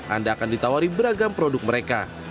anda bisa menawari beragam produk mereka